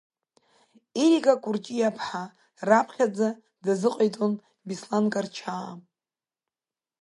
Ерика Кәарҷиаԥҳа раԥхьаӡа дазыҟаиҵон Беслан Карчаа.